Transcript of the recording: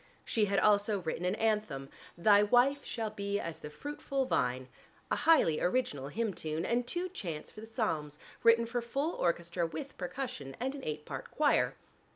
She had also written an anthem, "Thy wife shall be as the fruitful vine," a highly original hymn tune, and two chants for the psalms written for full orchestra with percussion and an eight part choir.